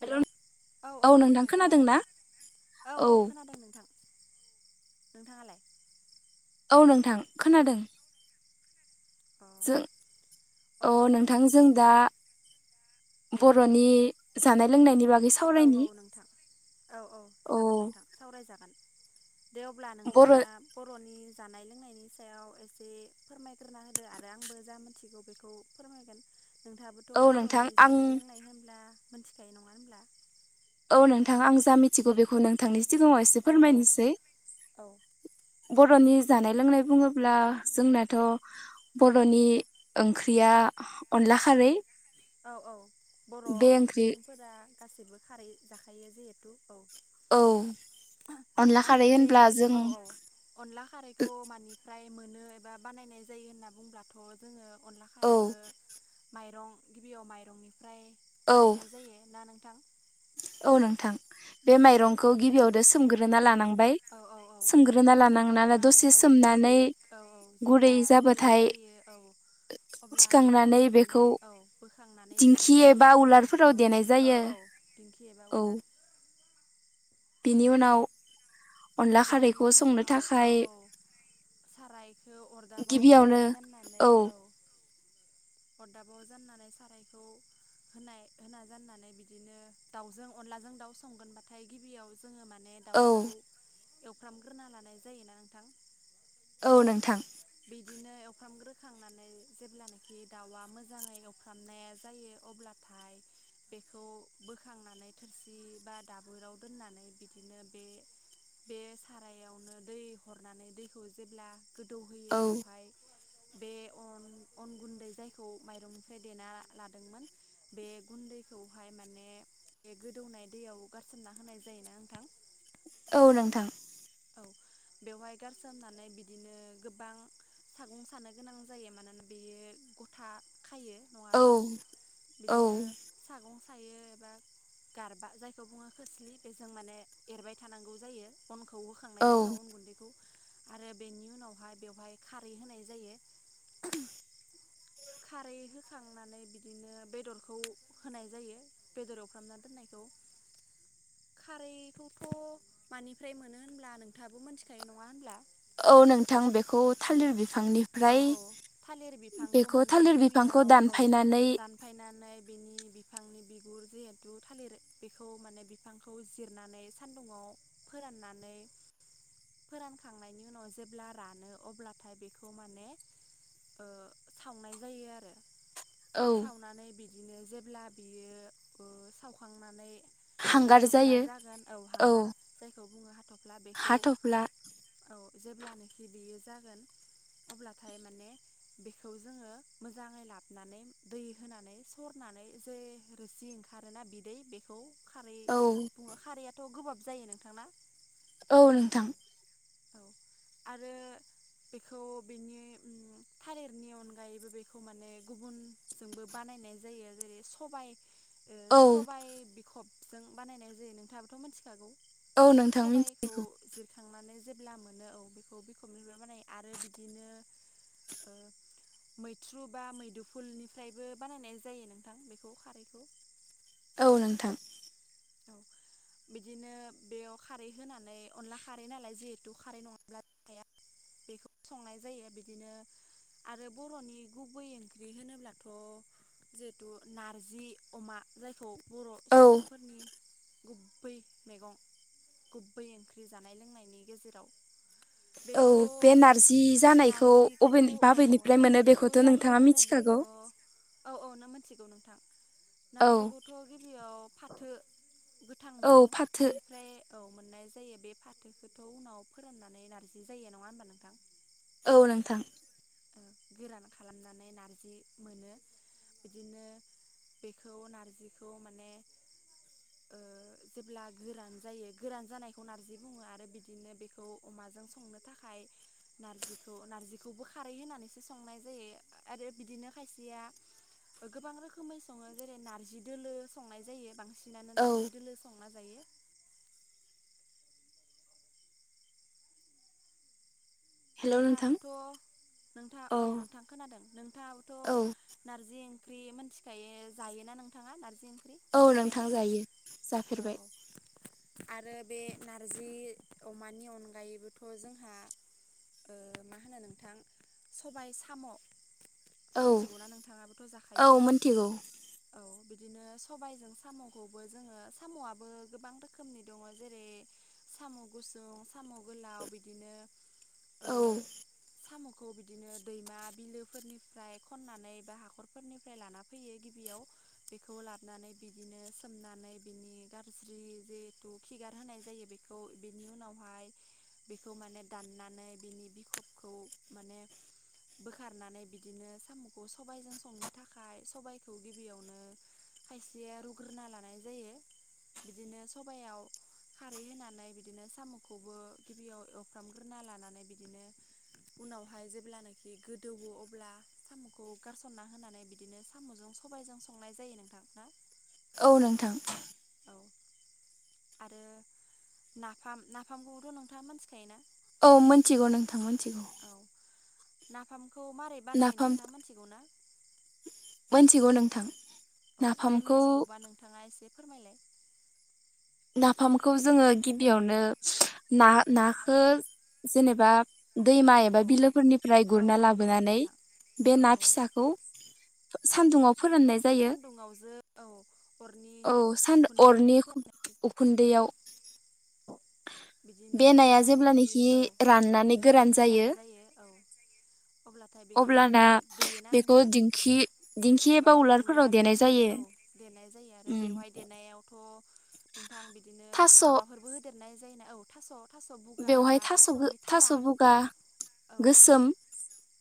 Hello औ औ नोंथां खोनादों औ औ खोनादों नोंथां। नोंथाङालाय? औ नोंथां खोनादों। जों अ नोंथां। जों दा बर'नि जानाय लोंनायनि बागै औ सावरायनि औ नोंथां औ औ जागोन नोंथां सावरायजागोन। दे अब्ला बर' नोंथाङा बर'नि जानाय लोंनायनि सायाव एसे फोरमायग्रोना होदो आरो आंबो जा मिथिगौ बेखौ फोरमायगोन। औ नोंथाङाबोथ' नोंथां बर'नि आं जानाय लोंनाय होनब्ला मोनथिखायो नङा होनब्ला? औ नोंथाङा आं जा मिथिगौ बेखौ नोंथांनि सिगाङाव इसे औ औ फोरमायनोसै। औ बर'नि जानाय लोंनाय बुङोब्ला जोंनाथ' बर'नि ओंख्रिया आ अनला खारै। औ औ बर' बे ओंख्रि सुबुंफोरा गासिबो खारै जाखायो जिहेथु औ औ। अनला आरो खारै बे होनब्ला जों औ औ अनला खारैखौ मानिफ्राय मोनो एबा बानायनाय जायो होनना बुंब्लाथ' जोङो अनला औ खारैखौ माइरं गिबियाव माइरंनिफ्राय औ बानायनाय जायो ना नोंथां। औ नोंथां बे औ माइरंखौ गिबियावनो सोमग्रोना लानांबाय। औ औ औ सोमग्रोना लानांगोन आरो सोमखांनानै दसे औ गुरै सोमनानै औ औ गुरै जेब्ला गुरै जाबाथाय जायो औ। अब्ला बेखौ माने औ बोखांनानै दिंखि देनाय जायो एबा नोंथांनो उलारफोराव औ देनाय औ जायो औ पिंखि एबा उलार बेनि उनाव अनला बेनि खारैखौ संनो उनाव औ थाखाय औ सारायखौ अरदाबाव गिबियावनो जाननानै औ अरदाबाव जाननानै सारायखौ होनाय होना जाननानै बिदिनो दाउजों अनलाजों दाउ संगोनबाथाय गिबियाव जोङो माने औ दाउखौ एवफ्रामग्रोना लानाय जायोना नोंथां। औ बिदि बिदिनो एवफ्रामग्रोखांनानै जेब्लानाखि दाउआ मोजाङै एवफ्रामनाया जायो अब्ला [inaudible] बेखौ बोखांनानै थोरसि बा दाबोराव दोननानै बिदिनो बे बे सारायावनो दै हरनानै दैखौ जेब्ला गोदौ होयो औ बेवहाय बे अन अन गुन्दै जायखौ माइरंनिफ्राय देना लादोंमोन बे गुन्दै दैखौहाय माने बे गोदौनाय दैयाव गारसोमना होनाय जायोना नोंथां। औ नोंथां। औ बेवहाय गारसोमनानै बिदिनो गोबां सागुं सानो गोनां जायो। मानोना बेयो गथा खायो औ नङाब्ला औ बिदिनो सागं सायो एबा गारबा जायखौ बुङो खोस्लि बेजों माने एरबाय थानांगौ जायो। अनखौ औ खौहोखांनायनि उनाव उन गुन्दैखौ आरो बेनि उनावहाय बेवहाय खारै होनाय जायो। [unintelligible] औ खारै होखांनानै बिदिनो बेदरखौ होनाय जायो। बेदर एवफ्रामना दोननायखौ। [inaudible] खारैखौथ' मानिफ्राय मोनो होनब्ला नोंथाङाबो मोनथिखायो नङा होनब्ला। औ नोंथां बेखौ औ थालिर औ बिफांनिफ्राय औ थालिर बिफांखौ बेखौ माने थालिर बिफां खौ गिबियाव औ दानफायनानै दानफायनानै बेनि बिफांनि बिगुर जिहेथु थालिर बेखौ माने बिफांखौ जिरनानै सान्दुुंआव फोरान नानै [inaudible] फोरानखांनायनि उनाव जेब्ला रानो अब्लाथाय बेखौ माने ओ सावनाय जायो आरो औ सावनानै बिदिनो जेब्ला बियो ओ सावखांनानै हांगार हाथ'फ्ला जायो जागोन औ हांगार जायखौ बुङो हाथ' हाथ'फ्ला जेब्लानोखि बेयो जागोन अब्लाथाय माने बेखौ जोङो मोजाङै लाबानै दै होनानै सरनानै जे रोसि ओंखारोना बिदै बेखौ खारै औ बुङो खारैआथ' गोबाब जायो नोंथांना! औ नोंथां। औ आरो बेखौ बेनि थालिरनि अनगायैबो बेखौ माने गुबुनजोंबो बानाय नाय जायो जेरै सबाय ओ औ सबायाइ बिखबजों बानायनाय जायो नोंथाङाबोथ' मिथिखागौ औ नोंथाङा मिथि बेखौ जिरखांनानै जेब्ला मोनो औ बेखौ बिखौ मोनबाय मानाय आरो बिदिनो ओ [inaudible] मैथ्रु बा मैदुफुलनिफ्रायबो बानायनाय जायो नोंथां बेखौ खारैखौ औ नोंथां। औ बिदिनो बेयाव खारै होनानै अनला खारै नालाय जिहेथु खारै नङाब्ला जाया [inaudible] बेखौ संनाय जायो बिदिनो आरो बर'नि गुबै ओंख्रि होनोब्लाथ' जिहेतु नारजि अमा जायखौ बर' औ सुबुंफोरनि गुबै मैगं गुबै ओंख्रि जानाय लोंनायनि गेजेराव [inaudible] औ बेखौ बे नारजि जानायखौ अबे नारजिखौ औ औ बाबेनिफ्राय मोनो नारजिखौ बेखौथ' जायो नोंथाङा होनोब्लाथ' मिथिखागौ औ औ नों मिथिगौ नोंथां औ नारजिखौथ' गिबियाव फाथो गोथां औ मैगं फाथो फाथोनिफ्राय औ मोननाय जायो बे फाथोखौथ' उनाव फोराननानै नारजि जायो नङा होनबा नोंथां औ नोंथां गोरान खालामनानै नारजि मोनो बिदिनो बेखौ नारजिखौ माने जेब्ला गोरान जायो गोरान जानायखौ नारजि बुङो आरो बिदिनो बेखौ अमाजों संनो थाखाय नारजिखौ नार्जिखौबो खारै होनानैसो संनाय जायो आरो बिदिनो खायसेया गोबां रोखोमै सङो जेरै नारजि दोलो संनाय जायो बांसिन बांसिनानो औ नारजि दोलो संना जायो हेलौ नोंथां नोंथाङाबोथ' नोंथाङा औ नोंथां खोनादों औ नोंथाङाबोथ' नारजि ओंख्रि मोनथिखायो जायोना नोंथाङा नारजि ओंख्रि औ जाफेरबायना नोंथां जायो औ जाफेरबाय औ आरो बे नारजि अमानि अनगायैबोथ' जोंहा मा होनो नोंथां सबाय साम' औ मोनथिगौना नोंथाङाबोथ' औ जाखायो मोनथिगौ औ बिदिनो सबायजों साम'खौबो जोङो साम'आबो गोबां रोखोमनि दङ जेरै साम' गुसुं साम' गोलाव बिदिनो औ खौ बिदिनो दैमा बिलोफोरनि ओमफ्राय खननानै बा हाखरफोरनिफ्राय लाना फैयो गिबियाव बेखौ लाबोनानै बिदिनो सोमनानै। सोमनानै बिनि गाज्रि जिहेथु खिगार होनाय जायो बेखौ बिनि उनावहाय। बेखौ माने दाननानै बिनि बिखबखौ माने बोखारनानै बि बिदिनो साम'खौ सबायाइजों संनो थाखाय सबाइखौ गिबियावनो। खायसेया रुग्रोना लानाय जायो बिदिनो सबायाव खारै होनानै बिदिनो साम'खौबो गिबियाव एवफ्रामग्रोना लानानै बिदिनो उनावहाय जेब्लानाखि गोदौवो अब्ला साम'खौ गारसनना होनानै बिदिनो साम'जों सबायाइजों संनाय जायो नोंथां। औ नोंथां। औ आरो नाफाम नाफामखौथ' नोंथाङा मोनथिखायोना? औ मिथिगौ नोंथां मिथिगौ। नाफाम नाफाम मोनथिगौ नोंथां। अ दे नाफामखौ मिथिगौबा नोंथाङा एसे फोरमायलाय नाफामखौ जोङो गिबियावनो ना नाखो जेनेबा दैमा औ एबा औ बिलोफोरनिफ्राय औ गुरना औ नंगौ लाबोनानै नोंथां बे औ ना औ फिसाखौ। सान्दुंआव सानदुङाव जों औ अरनि औ सान अरनि उखुन्दै उखुन्दैयाव बिदिनो जेब्लानाखि औ एबा गोरान जायो औ। अब्लाथाय बेखौ अब्लाना माने देयोना बेखौ नोंथां दिखि दिंखि औ एबा उलार उलारफोराव देनाय एबा जायो। औ देनाय जायो आरो उम बेवहाय देनायावथ'। गोथां बिदिनो थास' माबाफोरबो होदेरनाय जायो औ थास'। थास' बुगा बेवहाय बा थास' थास'नि थास' थारा बगा औ गोसोम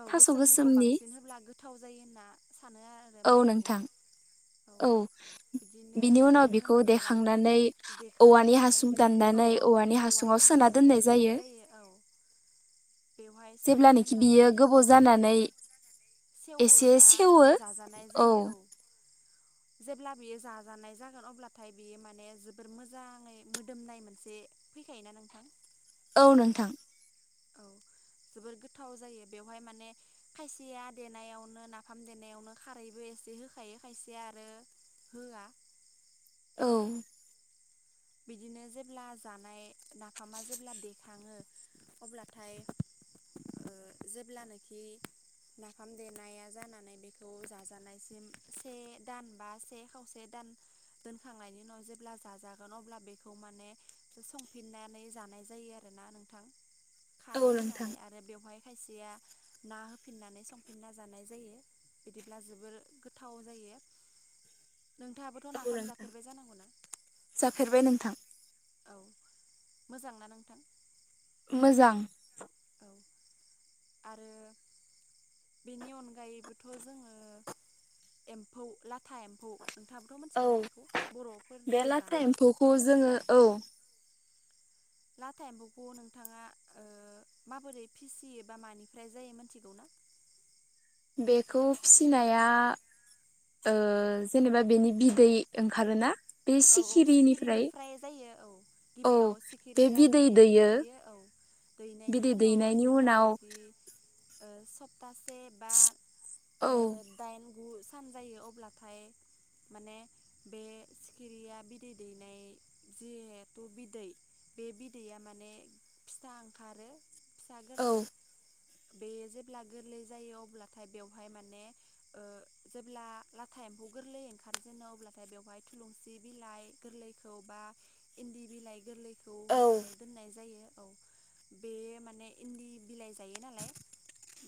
औ थास' गोसोमनिखौ गोसोमनि बांसिन होब्ला गोथाव जायो होनना सानो आरो औ मानियो। नोंथां औ बिदिनो बिनि उनाव बेखौ होनानै देखांनानै औवानि देखांनानै हासुं बेखौ औ दाननानै। नानै औ औवानि हासुङाव औवानि सोना हासुङाव दोननाय सोनाय जायो औ। बेवहाय सोना जेब्लानोखि दोननानै बियो गोबाव औ। जानानै एसे सेवोबा सेवो जाजानाय औ जायो औ। जेब्ला बियो जाजानाय जागोन अब्लाथाय बियो माने जोबोर मोजाङै मोदोमनाय मोनसे फैखायोना नोंथां। औ नोंथां। औ जोबोर गोथाव जायो बेवहाय माने खायसेया देनायावनो नाफाम देनायावनो खारैबो। एसे होखायो खायसे आरो होआ। औ बिदिनो जेब्ला जानाय नाफामा जेब्ला देखाङो अब्लाथाय। [inaudible] जेब्लानाखि नाफाम देनाया जानानै बेखौ जाजानायसिम से दान बा से खावसे दान दोनखांनायनि उनाव जेब्ला जाजा गोन अब्ला बेखौ माने संफिननानै जानाय जायो आरोना नोंथां। खारै नोंथां होनानै आरो बेवहाय खायसेया ना होफिननानै संफिनना जानाय जायो। बिदिब्ला जोबोर गोथाव जायो। [inaudible] नोंथाङाबोथ' नाफाम जाफेरबाय जानांगौ ना? फेरबाय नोंथां औ मोजांना नोंथां मोजां औ आरो बेनि अनगायैबोथ' जोङो एम्फौ ला लाथा एम्फौ नोंथाङाबोथ' औ मोनथिगोन ना बेखौ बे बर'फोरनि लाथा जानाय एम्फौखौ जोङो औ लाथा एम्फौखौ नोंथाङा माबोरै फिसियो बा मानिफ्राय जायो मोनथिगौ बेखौ फिनाया ओ जेनेबा बेनि बिदै ओंखारोना औ औ सिखिरिनिफ्राय जायो औ औ गिबियाव बे सिखिरिया बिदै दैयो दैग्रोयो औ दैनायनि बिदै उनाव दैनायनि उनाव जेब्लानाखि सप्तासे बा औ ओ दाइन गु सान जायो अब्लाथाय माने बे सिखिरिया बिदै दैनाय जिहेथु बिदै बे बिदैया माने फिसा ओंखारो फिसा औ गोरलै बेयो जेब्ला गोरलै जायो अब्लाथाय बेवहाय माने जेब्ला ओ लाथा एमफौ गोरलै ओंखारजेनो अब्लाथाय बेवहाय थुलुनसि सि बिलाइ गोरलैखौ बा इन्दि बिलाइ गोरलैखौ औ होनानै दोननाय जायो औ बे माने इन्दि बिलाइ जायो नालाय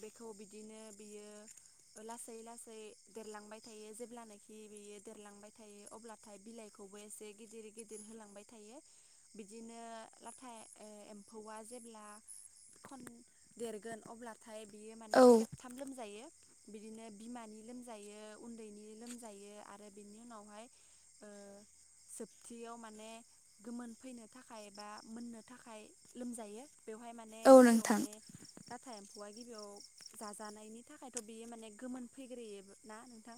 बेखौ बिदिनो बियो लासै लासै देरलांबाय थायो जेब्लानाखि बेयो देरलांबाय थायो अब्ला थाय बिलाइखौबोसे गिदिर गिदिर होलांबाय थायो बिदिनो लाथा ए एम एम्फौआ जेब्ला खम देरगोन अब्ला नाथाय बियो माने औ खेबथाम लोमजायो बिदिनो बिमानि लोमजायो उन्दैनि लोमजायो आरो बिनि उनावहाय जोबथियाव माने गोमोन फैनो थाखाय बा मोननो थाखाय लोमजायो बेवहाय माने औ गिबियाव नोंथां माने नाथाय एम्फौआ गिबियाव जाजानायनि थाखायथ' बियो माने गोमोन फैग्रोयो ना नों ना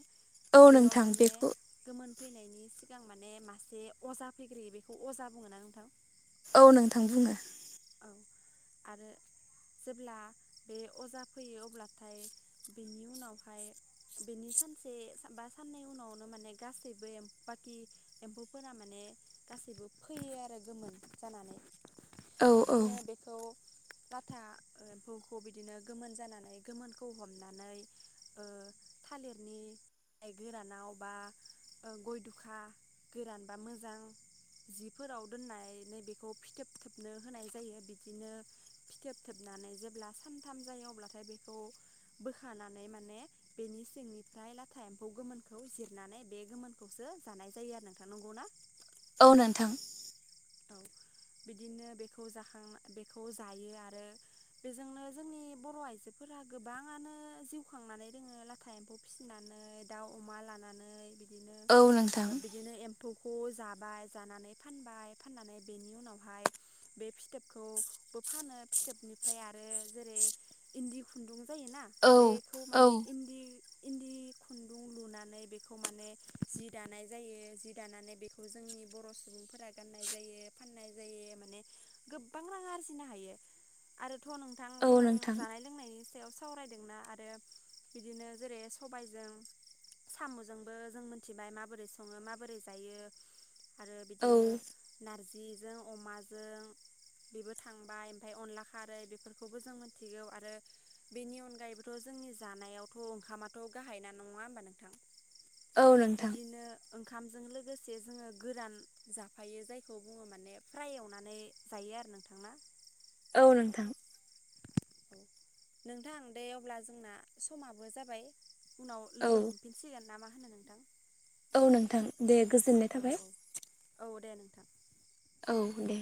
औ बेयाव नोंथां माने बेखौ गोमोन फैनायनि सिगां माने मासे अजा फैग्रोयो बेखौ अजा बुङोना नोंथां औ नोंथां बुङो औ आरो जेब्ला बे अजा फैयो अब्लाथाय बेनि उनावहाय बेनि सानसे बा साननै उनावनो माने गासैबो एम बाखि एम्फौफोरा माने गासैबो फैयो आरो गोमोन जानानै औ औ बिदिनो बेखौ लाथा एम्फौखौ बिदिनो गोमोन जानानै गोमोनखौ हमनानै ओ लाइ गोरानाव बा गय दुखा गोरानबा मोजां जिफोराव दोननानै नै बेखौ फिथोब थोबनो होनाय जायो बिदिनो फिथोब थोबना नै जेब्ला सानथाम जायो अब्लाथाय बेखौ बोखांनानै माने बेनि सिंनिफ्राय नाय लाथा एम्फौ गोमोनखौ जिरनानै बे गोमोनखौसो जानाय जायो आरो नोंथां नंगौ ना औ नोंथां बिदिनो बेखौ जाखां बेखौ जायो आरो बेजोंनो जोंनि बर' आइजोफोरा गोबाङानो जिउ खांनानै रोङो लाथा एम्फौ फिसिनानै नै दाउ अमा लानानै बि बिदिनो औ नोंथां बिदिनो एम्फौखौ जाबाय जानानै फानबाय फाननानै बेनि उनावहाय बे फिथोबखौबो फानो फिथोबनिफ्राय आरो जेरै इन्दि खुन्दुं जायोना औ बेखौ औ माने इन्दि इन्दि खुन्दुं लुनानै बेखौ माने जि दानाय जायो जि दानानै बेखौ जोंनि बर' सुबुंफोरा गाननाय जायो फाननाय जायो माने गोबां रां आरजिनो हायो आरो थ' नोंथां औ जों नोंथां जानाय लोंनायनि सायाव सावरायदोंना आरो बिदिनो जेरै सबायजों साम'जोंबो जों मोनथिबाय माबोरै सङो माबोरै जायो आरो औ बिदिनो नारजिजों अमाजों बेबो थांबाय ओमफ्राय अनला खारै बेफोरखौबो जों मिथिगौ आरो बेनि अनगायैबोथ' जों जोंनि जानायावथ' ओंखामाथ' गाहाय ना नङा होमबा नोंथां औ नोंथां बिदिनो ओंखामजों लोगोसे जोङो गोरान जा फायो जायखौ बुङो माने फ्राय एवनानै जायो आरो नोंथांना औ नोंथां नोंथां दे अब्ला जोंना समाबो जाबाय उनाव औ लोगो मोनफिनसिगोन नामा। औ नोंथां दे गोजोननाय औ थाबाय। औ औ दे नोंथां औ दे